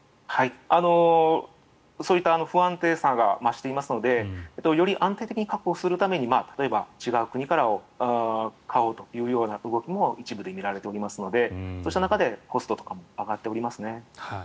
そういった不安定さが増していますのでより安定的に確保するために例えば、違う国から買うというような動きも一部で見られておりますのでそうした中でコストとかも上がっておりますね。